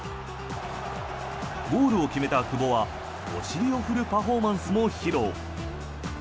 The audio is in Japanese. ゴールを決めた久保はお尻を振るパフォーマンスも披露。